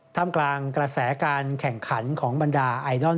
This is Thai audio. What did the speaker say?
ทำกลางกระแสการแข่งขันของบรรดาไอดอล